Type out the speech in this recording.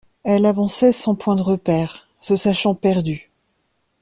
Elle avançait sans point de repère, se sachant perdue.